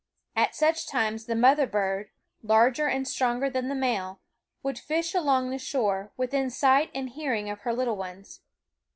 At such times the mother bird, larger and stronger than the male, would fish along the shore, within sight and hearing of her little ones.